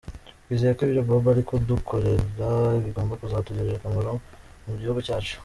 Twizeye ko ibyo Bob ari kudukorera bigomba kuzatugirira akamaro mu gihugu cyacu.